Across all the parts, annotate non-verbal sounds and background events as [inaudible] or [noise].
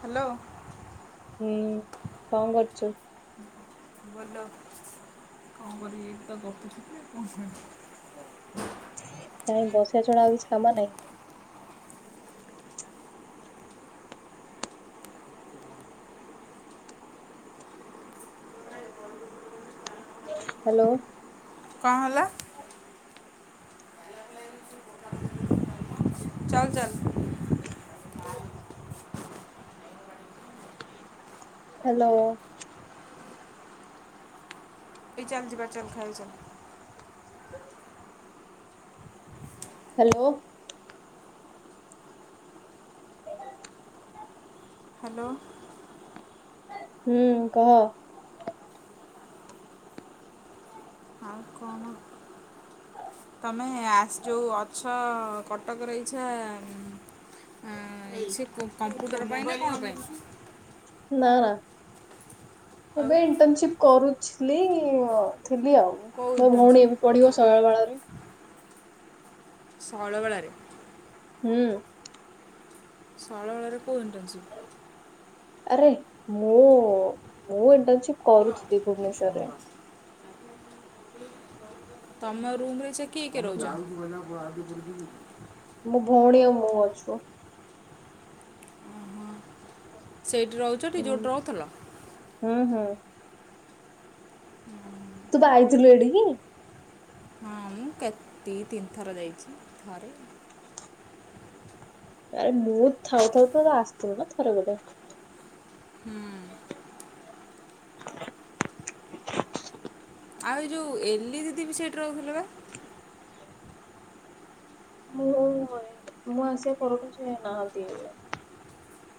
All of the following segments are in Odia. ହାଲୋ। ହୁଁ, କଣ କରୁଛୁ? ବୋଲ କଣ କରିବି ଏଇତ ଗପୁ ଥିବେ କଣ କରି? କାହିଁ ବସିବା ଛଡା ଆଉ କିଛି କାମ ନାହିଁ? ହାଲୋ। କଣ ହେଲା? ଚାଲ ଚାଲ। ହାଲୋ। ଏଇ ଚାଲ, ଯିବା ଚାଲ, ଖାଇବୁ ଚାଲ। ହାଲୋ। ହାଲୋ। ହୁଁ, କହ। ହଁ କହ। ହଁ ତୋମେ ଆସ ଯେଉ ଅଛ କଟକରେ ଇଚ୍ଛା ଉଁ, ଅଁ, ସେ କ-କମ୍ପୁଟର ପାଇଁ ନା କଣ ପାଇଁ? ନା। ଆଉ ସେବେ ଇଣ୍ଟର୍ନସିପ୍ କରୁଥିଲି ଅ, ଥିଲି ଆଉ। କେଉଁ ମୋ ଭଉଣୀ ଇଣ୍ଟର୍ନସିପ୍ ଏବେ ପଢିବ ଶୈଳବାଳା ରେ। ଶୈଳବାଳା ରେ? ହୁଁ। ଶଇଳବାଳା କୋଉ ଇଣ୍ଟର୍ନଶିପ୍? ଆରେ ମୁଁ ମୁଁ ଇଣ୍ଟର୍ନଶିପ୍ କରୁଥିଲି ଭୁବନେଶ୍ଵରରେ ତମ ରୁମ ରେ ସେ କିଏ କିଏ ରହୁଛ? ମୁଁ ଭଉଣୀ ଆଉ ମୁଁ ଅଛୁ। ସେଇଠି ରହୁଛ ଟି ଯୋଉଠି ରହୁଥିଲ? ହଁ ହଁ ତୁପା ଆଇଥିଲୁ ଏଇଠି କି? ହଁ ମୁଁ କେତେ ତିନିଥର ଯାଇଛି, ଥରେ ଆରେ ମୁଁ ଥାଉ ଥାଉ ତ ଆସିଥିଲୁ ନା ଥରେ ଗୋଟେ। ହୁଁ ଉଁ ଆଉ ଏଇ ଯେଉଁ ଏଲି ଦିଦିି ବି ସେଇଠି ରହୁଥିଲେ ବା? ମୁଁ ମୁଁ ଆସିବା ପରଠୁ ସେ ନାହାନ୍ତି।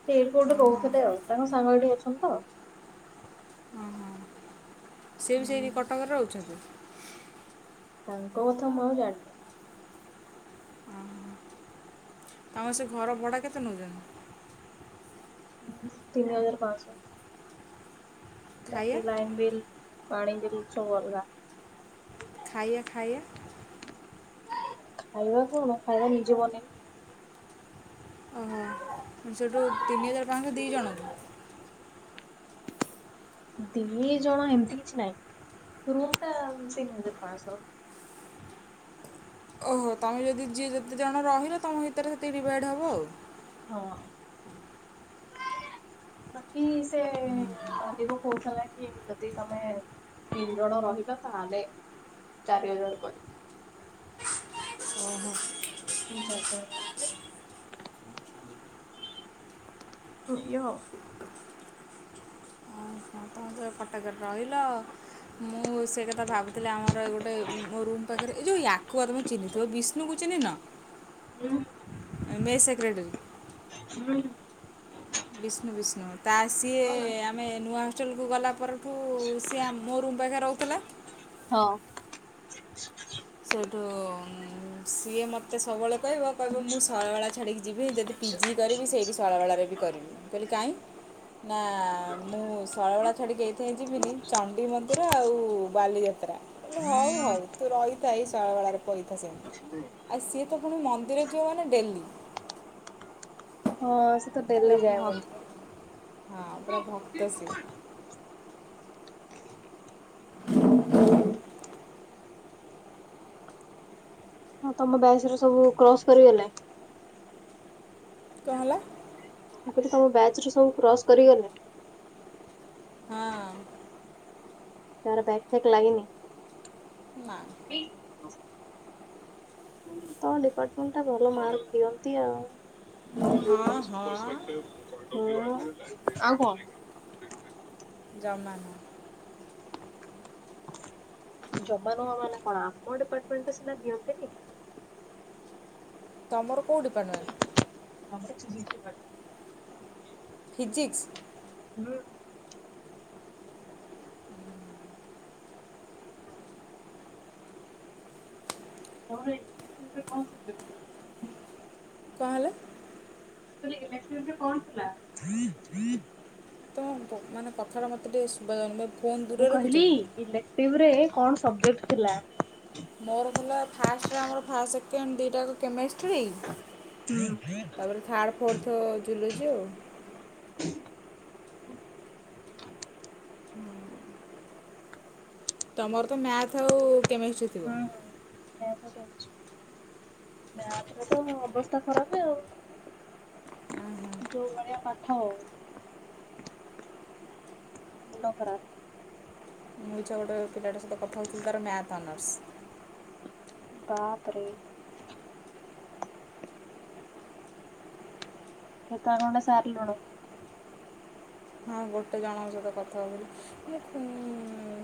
ସେ ଏଇଠି କୋଉଠି ରହୁଥିଲେ ଆଉ, ତାଙ୍କ ସାଙ୍ଗ ଏଠି ଅଛନ୍ତି ତ। ସେ ବି ସେଇଠି କଟକରେ ରହୁଛନ୍ତି? ତାଙ୍କ କଥା ମୁଁ ଆଉ ଜାଣିନି। ତମର ସେ ଘର ଭଡ଼ା କେତେ ନେଉଛନ୍ତି? ତିନି ହଜାର ପାଁଶହ। ଖାଇବା ବାକି ଲାଇନ୍ ବିଲ୍, ପାଣି ବିଲ ସବୁ ଅଲଗା। ଖାଇୟା ଖାଇୟା। ଖାଇବା କଣ? ଖାଇବା ନିଜେ ବନେଇନି ଓହୋ ସେଇଠୁ ତିନି ହଜାର ପାଞ୍ଚଶହ ଦୁଇ ଜଣଙ୍କୁ? ଦି ଜଣ ଏମିତି କିଛି ନାଇଁ ରୁମ୍ ଟା ତିନି ହଜାର ପାଞ୍ଚଶହ। ଓହୋ, ତମେ ଯଦି ଯିଏ ଯେତେ ଜଣ ରହିଲ ତମ ଭିତରେ ସେତିକି ଡିଭାଇଡ଼ ହବ ଆଉ ହଁ ଅଁ ବାକି ସେ କହୁଥିଲା କି- ଯଦି ତମେ ତିନି ଜଣ ରହିଲ ତାହେଲେ ଚାରି ହଜାର କରି ଓହୋ। ଚାରଟା ବେଳୁ ପା [unintelligible] ଏଇୟା ଆଉ। ଓହୋ, ତମେ ତ କଟକରେ ରହିଲ? ମୁଁ ସେଇ କଥା ଭାବୁଥିଲି- ଆମର ଗୋଟେ ମୋ ରୁମ୍ ପାଖରେ ଏ ଯଉ ୟାକୁ ପା ତମେ ଚିହ୍ନିଥିବ ବିଷ୍ଣୁକୁ? ଚିହ୍ନିନ? ହୁଁ ଏ ମେ ଇ ସେକ୍ରେଟେରୀ। ହୁଁ ଉଁ ବିଷ୍ଣୁ ବିଷ୍ଣୁ, ତା ଆ ସିଏ ଆମେ ନୂଆ ହଷ୍ଟେଲକୁ ଗଲା ପରେ ତୁ ସିଏ ମୋ ରୁମ୍ ପାଖରେ ରହୁଥିଲା। ହଁ ଅଁ [inaudible] ସେଠୁ ସିଏ ମତେ ସବୁବେଳେ କହିବ କହିବ ମୁଁ ଶୈଳବାଳା ଛାଡ଼ିକି ଯିବି, ଯଦି ପିଜି କରିବି ସେଇଠି ଶୈଳବାଳାରେ ବି କରିବି। ମୁଁ କହିଲି କାହିଁ? ନା ମୁଁ ଶୈଳବାଳା ଛାଡ଼ିିକି ଏଇଥି ପାଇଁ ଯିବିନି, ଚଣ୍ଡି ମନ୍ଦିର ଆଉ ବାଲିଯାତ୍ରା। ମୁଁ କହିଲି ହଉ ହଉ ତୁ ରହି ମୁଁ କହିଲି ଶୈଳବାଳା ରେ ପଇଥା ସେମିତି, ଆଉ ସିଏ ତ ପୁଣି ମନ୍ଦିର ଯିିବ ମାନେ ଡେଲି। ହଁ ସେ ତ ପୁରା ଡେଲି ଭକ୍ ଯାଏ ମନ୍ଦିର। ହଁ ପୁରା ଭକ୍ତ ସେ। [unintelligible] ହଁ ତମ ବ୍ୟାଚର ସବୁ କ୍ରସ କରିଗଲେ? କଣ ହେଲା? ମୁଁ କହୁଛି ତମ ବ୍ୟାଚ ରୁ ସବୁ କ୍ରସ୍ କରିଗଲେ? ହଁ ଅଁ ତାର ବ୍ୟାକ୍ ଫ୍ୟାକ୍ ଲାଗିନି। ନା। ବି ତମ ଡିପାର୍ଟମେଣ୍ଟ ଟା ଭଲ ମାର୍କ୍ ଦିଅନ୍ତି ଆଉ। ହଁ ହଁ ହାଲୋ ଆଉ କଁ। ଜମା ନୁହଁ। ଜମା ନୁହଁ ମାନେ କଣ ଆମ ଡିପାର୍ଟମେଣ୍ଟରେ ସିନା ଦିଅନ୍ତିନି। ତମର କୋଉ ଡିପାର୍ଟମେଣ୍ଟ? ଆମର ଫିଜିକ୍ସ୍ ଡିପାର୍ଟମେଣ୍ଟ। ଫିଜିକ୍ସ୍। ହୁଁ। [inaudible] ତମର ଇଲେକ୍ଟିଭ୍ ରେ କଣ ସବଜେକ୍ଟ? କଁ ହେଲା? କାଲି ଇଲେକ୍ଟିଭ ରେ କଣ ଥିଲା? ତ ମାନେ କଥାଟା ମୋତେ ଟିକେ ସୁଭାଯାଉନି ଫୋନ୍ ଦୂରରେ ରଖିଚକି? ଟିଭରେ କଣ ସବଜେକ୍ଟ ଥିଲା? ମୋର ହେଲା ଫାଷ୍ଟ ରେ ଆମର ଫାଷ୍ଟ ସେକେଣ୍ଡ ଦିଇଟାଙ୍କ କେମେଷ୍ଟ୍ରି। ହୁଁ। ତାପରେ ଥାର୍ଡ଼ ଫୋର୍ଥ ଜୁଲୋଜି ଆଉ। ତମର ତ ମ୍ୟାଥ୍ ଆଉ କେମିଷ୍ଟ୍ରି ଥିବ ହୁଁ ହୁଁ ମ୍ୟାଥ୍ ସାଇନ୍ସ। ମ୍ୟାଥ୍ ରେ ତ ଅବସ୍ଥା ଖରାପ ଆଉ। ଯୋଉ ଭଳିଆ ପାଠ ଆଉ। ମୁଣ୍ଡ ଖରାପ୍। ମୁଁ ଇଚ୍ଛା ଗୋଟେ ପିଲାଟା ସହିତ କଥାହଉଥିଲି ତାର ମ୍ୟାଥ୍ ଅନର୍ସ। ବାପରେ ଏତାର ଗୋଟେ ସାରଲ ହଁ ଗୋଟେ ଜଣଙ୍କର ସହିତ କଥା କଥିଲି।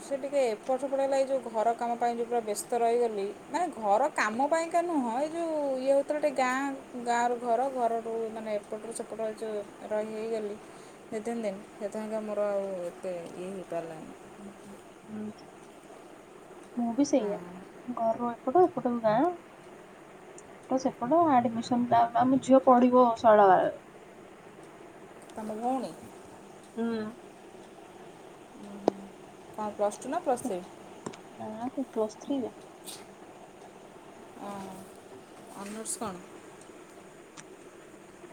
ସେ ଟିକେ ଏପଟ ସେପଟ ହୋଇଗଲା ଏ ଯେଉଁ ଘର କାମ ପାଇଁ ଯେଉଁ ପୁରା ବ୍ୟସ୍ତ ରହିଗଲି। ମାନେ ଘର କାମ ପାଇଁକା ନୁହଁ ଏଇ ଯେଉଁ ଇଏ ହେଉଥିଲା ଟିକେ ଗାଁ ଗାଁରୁ ଘର ଘରଠୁ ମାନେ ଏପଟରୁ ସେପଟ ଯୋ ରହି ହେଇଗଲି ସେଦ ଦେନ ସେଥିାଙ୍କା ମୋର ଆଉ ଏତେ ଇଏ ହେଇପାରିଲାନି। ହଁ ମୁଁ ବିସେୟା ହଁ ଘରରୁ ଏପଟ ଏପଟରୁ ଗାଁ ତମ ସେପଟ ଆଡମିସନଟା ଆମ ଝିଅ ପଢିବ ଶୈଳବାଳା ରେ। ତମ ଭଉଣୀ? ହୁଁ। ତାର ପ୍ଲସ୍ ଟୁ ନା ପ୍ଲସ୍ ଥ୍ରୀ? ନା ବେ ପ୍ଲସ୍ ଥ୍ରୀ ଓହୋ। ଅନର୍ଶ କଣ?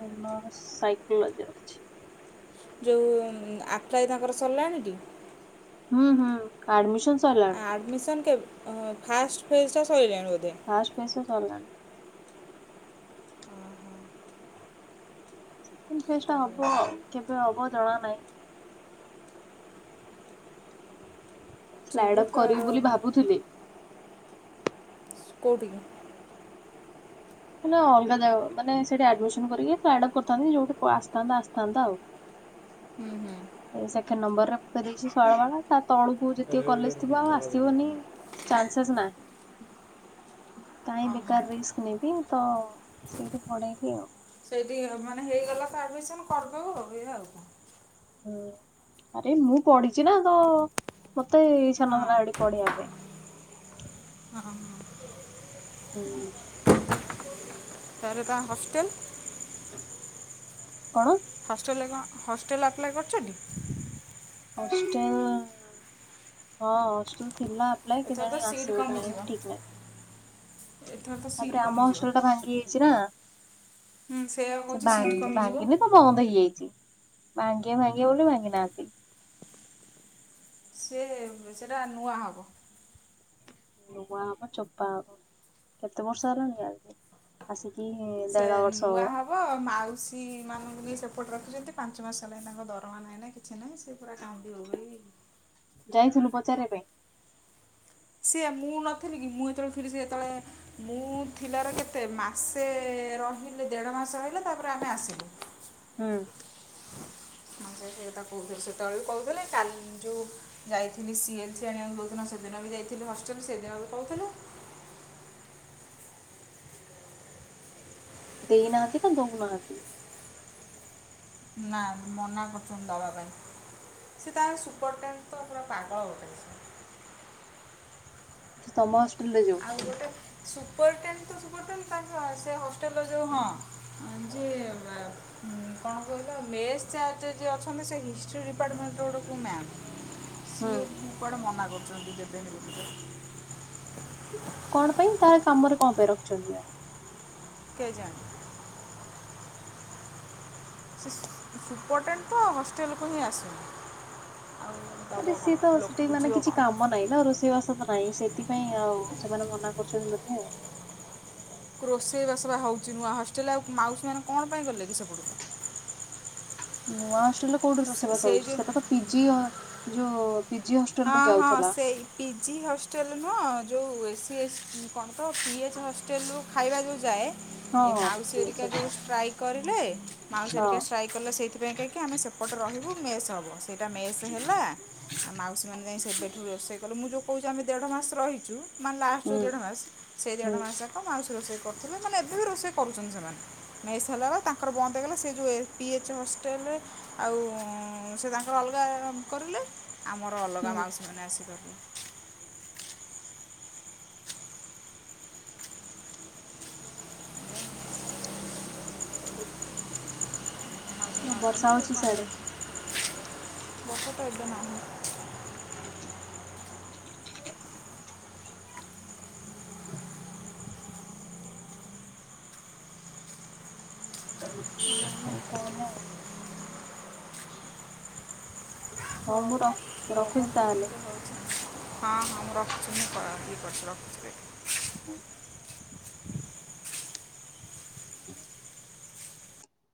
ଓନୋର ସାଇକୋଲୋଜି ଅଛି। ଯଉ ଆଫ୍ଲାଇ ତାଙ୍କର ସରଲାଣିଟି? ହୁଁ ହୁଁ ଆଡମିଶନ ସରଲାଣି। ଆଡ଼ମିସନ୍ କେବେ ଓହୋ ଫାଷ୍ଟ ଫେଜ୍ ଟା ସଇଲାଣି ବୋଧେ। ଫାଷ୍ଟ ଫେଜ୍ ଟା ସରଲାଣି। ଓହୋ ସେକେଣ୍ଡ ଫେଜ୍ ଟା ହବ। କେବେ ହବ ଜଣା ନାହିଁ। ସେ ସେଇଠୁ ସ୍ଲାଇଡ ଅପ୍ ତାର କରିବି ବୋଲି ଭାବୁଥିଲି। କୋଉଠି? ମାନେ ଅଲଗା ଯାଗା ମାନେ ସେଠି ଆଡମିସନ କରିକି ପ୍ଲାଇଡ୍ ଅପ୍ କରିଥାନ୍ତି ଯୋଉଠି ଆସିଥାନ୍ତା ଆସିଥାନ୍ତା ଆଉ। ହୁଁ ହୁଁ। ତା ନମ୍ବର ରେ ପେରେଇଛି ଶହେ ଟଙ୍କା ତା ତଳକୁ ଯେତିକି କଲେଜ ଥିବ ଆସିବନି। ଚାନ୍ସେସ୍ ନାହିଁ କାହିଁ ଓହୋ ବେକାର ରିସ୍କ ନେବି ତ ସେଇଠି ପଢେଇଲି ଆଉ ସେଇଠି ଆ ମାନେ ହେଇଗଲା ତ ଆଡ଼ମିସନ କରିଦଉ ଏଇଆ ଆଉ କଣ ହୁଁ ଆରେ ମୁଁ ପଢିଚି ନା ତ ମତେ ଇଛାନହେଲା ସେଠି ପଢିବା ପାଇଁ। ଓ ହଁ। [inaudible] ତାରେ ତା ହଷ୍ଟେଲ। କଣ ହଷ୍ଟେଲରେ କଣ ହଷ୍ଟେଲ ଆପ୍ଲାଏ କରିଛନ୍ତି। ହଷ୍ଟେଲ ହଁ ହଷ୍ଟେଲ ଥିଲା। [unintelligible] ଏଥର ତ କେଜାଣି ସିଟ୍ ଆସିବ କି ନାହିଁ କମିଯିବ ଠିକ ନହିଁ। ଏଥର ତ ସିଟ୍ ତାପରେ ଆମ କମିଯିବ। ହଷ୍ଟେଲ ଟା ଭାଙ୍ଗି ଯାଇଛି ନା। ହୁଁ ସେୟାପା ସେ କହୁଛି ସିଟ୍ ଭାଙ୍ଗି କମି ଭାଙ୍ଗିନି ତ ବନ୍ଦ ହେଇଯାଇଛି ଭାଙ୍ଗିବେ ଭାଙ୍ଗିବେ ବୋଲି ଭାଙ୍ଗି ନାହାନ୍ତି। ସେ ସେଟା ନୂଆ ହବ। ନୂଆ ହବ ଚୋପା ହବ କେତେ ବର୍ଷ ହେଲାଣି [unintelligible] ଆସିକି ସେ ଦେଢ ବର୍ଷ ନୂଆ ହବ ମାଉସୀ ମାନଙ୍କୁ ନେଇ ସେପଟ ରଖିଛନ୍ତି ପାଞ୍ଚ ମାସ ହେଲାଣି ତାଙ୍କ ଦରମା ନାହିଁ ନାଇଁ କିଛି ନାଇଁ ସେ ପୁରା କାନ୍ଦିିବ ଭାବେଇ ଯାଇଥିଲୁ ପଚାରିବା ପାଇଁ। ସିଏ ମୁଁ ନଥିଲି କି ମୁଁ ଯେତେବେଳେ ଥିଲି ସେ ଯେତେବେଳେ ମୁଁ ଥିଲାର କେତେ ମାସେ ରହିଲେ ଦେଢ ମାସ ରହିଲା ତାପରେ ଆମେ ଆସିଲୁ। ହୁଁ। ହଁ ସେ ସେଥା କହୁଥିଲେ ସେତେବେଳେ କହୁଥିଲେ କାଲି ଯୋଉ ଯାଇଥିଲି ସି ଏଲ୍ ସି ଆଣିବାକୁ ଯଉଦିନ ସେଦିନ ବି ଯାଇଥିଲି ହଷ୍ଟେଲ ସେଦିନ ବି କହୁଥିଲ। ଦେଇନାହାନ୍ତି ନା ଦଉ ନାହାନ୍ତି। ନା ମନା କରୁଛନ୍ତି ଦେବା ପାଇଁ ସେ ତା ସୁପରଟେନ୍ ତ ପୁରା ପାଗଳ ଅଟେ। ସେ ତମ ହଷ୍ଟେଲ ରେ ଯଉ ଆଉଗୋଟେ ସୁପରଟେଡ୍ ତ ସୁପରଟେଡ୍ ତାଙ୍କ ସେ ହଷ୍ଟେଲ ର ଯଉ ହଁ ହଁ ଯେ ମା ଉଁ କଣ କହିଲ ମେସ୍ ଚାଯ୍ ରେ ଯିଏ ଅଛନ୍ତି ସେ ହିଷ୍ଟ୍ରି ଡିପାର୍ଟମେଣ୍ଟର ଗୋଟେ କେଉଁ ମ୍ୟାମ୍। ହୁଁ ସିଏ କୁଆଡେ ମନା କରୁଛନ୍ତି ଯେବେନି ବୋଲିକ କଣ ପାଇଁ ତାଲେ କାମରେ କଣ ପାଇଁ ରଖିଛନ୍ତି ଆଉ। କେଜାଣି। ସେ ସୁ ସୁପର୍ଟେଣ୍ଟ ତ ହଷ୍ଟେଲକୁ ହିଁ ଆସୁନି ଆଉ ଆରେ ଦେବ ସିଏ ତ କ'ଣ ଲୋକ ସେଠି ମାନେ ବୁଝିବ କିଛି କ'ଣ କାମ ନାହିଁ। ନା ଆଉ ରୋଷେଇବାସ ତ ନାହିଁ ସେଥିପାଇଁ ଆଉ ସେମାନେ ମନା କରୁଛନ୍ତି ବେଧେ ଆଉ ରୋଷେଇବାସବା ହେଉଛି ନୂଆ ହଷ୍ଟେଲ୍ ରେ ଆଉ ମାଉସୀମାନେ କଣ ପାଇଁ କ ଗଲେ କି ସେପଡ଼କୁ। ନୂଆ ହଷ୍ଟେଲରେ କୋଉଠି ସେ- ରେସେଇବାସ ସେଇ ହଉଛି ଯେଉଁ ସେଟା ତ ପିଜି ଯୋଉ ପିଜି ହଷ୍ଟେଲ ହଁ ରୁ ହଁ ଯାଉଥିଲା। ସେଇ ପିଜି ହଷ୍ଟେଲ ନୁହଁ ଯେଉଁ ଏ ସି ଏସ୍ କଣ ତ ପି ଏଚ୍ ହଷ୍ଟେଲରୁୁ ଖାଇବା ଯଉ ଯାଏ। ହଁ ଏ ମାଉସୀ ହଁ ହରିକା ଯୋଉ ଷ୍ଟ୍ରାଇକ୍ କରିଲେ ମାଉସୀ ହଁ ହରିକା ଷ୍ଟ୍ରାଇକ୍ କଲେ ସେଇଥିପାଇଁ କାହିଁକି ଆମେ ସେପ୍ ସେପଟେ ରହିବୁ ମେସ୍ ହେବ ସେଇଟା ମେସ୍ ହେଲା ଆଉ ମାଉ ସେମାନେ ଯାଇ ସେବେଠୁ ରୋଷେଇ କଲେ ମୁଁ ଯଉ କହୁଛି ଆମେ ଦେଢ ମାସ ରହିଛୁ ମାନେ ହୁଁ ଲାଷ୍ଟ ଦେଢ ମାସ୍ ସେଇ ଦେଢ ମାସ ଯାକ ମାଉସୀ ରୋଷେଇ କରୁଥିଲେ ମାନେ ଏବେ ବି ରୋଷେଇ କରୁଛନ୍ତି ସେମାନେ ସେସ୍ ହେଲାର ତାଙ୍କର ବନ୍ଦ ହେଇଗଲା ସେ ଯେଉଁ ଏ ପି ଏଚ୍ ହଷ୍ଟେଲ ଆଉ ସେ ତାଙ୍କର ଅଲଗା କରିଲେ ଆମର ହୁଁ ଅଲଗା ମାଉସୀମାନେ ଆସି କରିଲେ। ମାଉସୀ ହଁ ମାନେ ବର୍ଷା ଅଛନ୍ତି, ହଉଛି ସିଆଡେ। ବର୍ଷା ତ ଏବେ ନାହିଁ। ହଉ ତାହେଲେ ଆଉ ହଁ ମୁଁ ର- ରଖୁଛି ତାହେଲେ। ହଁ, ହଁ, ମୁଁ ରଖୁଛି। ମୁଁ କରବି ପଛ ରଖୁଛି। [unintelligible]